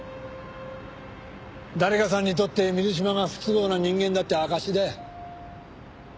誰かさんにとって水島が不都合な人間だって証しだよ。